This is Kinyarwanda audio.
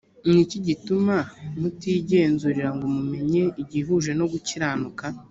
ni iki gituma mutigenzurira ngo mumenye igihuje no gukiranuka